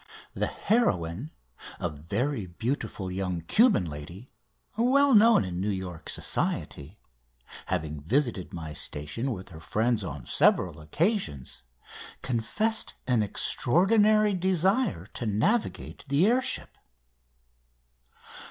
The heroine, a very beautiful young Cuban lady, well known in New York society, having visited my station with her friends on several occasions, confessed an extraordinary desire to navigate the air ship.